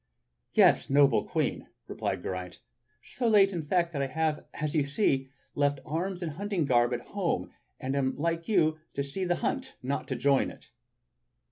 "Yes, noble Queen," replied Geraint, "so late, in fact, that I have, as you see, left arms and hunting garb at home, and am come, like you, to see the hunt, not to join it."